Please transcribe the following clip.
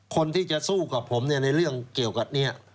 คนที่จะสู้กับผมเนี่ยในเรื่องเกี่ยวกับนี้